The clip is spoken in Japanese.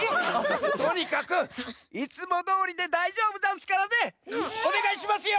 とにかく！いつもどおりでだいじょうぶざんすからね！おねがいしますよ！